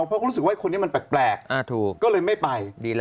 เพราะเขารู้สึกว่าคนนี้มันแปลกก็เลยไม่ไปดีแล้ว